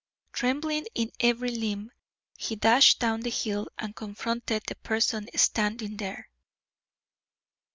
Trembling in every limb, he dashed down the hill and confronted the person standing there.